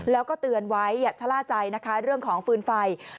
แล้วก็เตือนไว้อย่าชะล่าใจนะคะเรื่องของฟืนไฟ